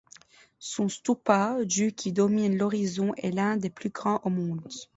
Son stoupa du qui domine l'horizon est l'un des plus grands au monde.